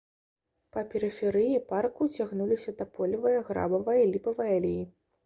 Па перыферыі парку цягнуліся таполевая, грабавая і ліпавая алеі.